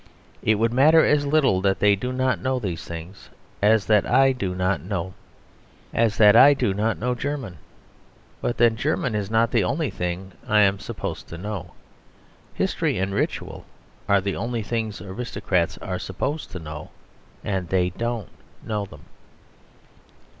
It would matter as little that they do not know these things, as that I do not know German; but then German is not the only thing I am supposed to know. History and ritual are the only things aristocrats are supposed to know; and they don't know them.